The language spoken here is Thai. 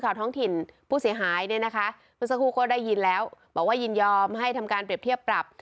มันสักครู่เขาได้ยินแล้วบอกว่ายินยอมให้ทำการเปรียบเทียบปรับ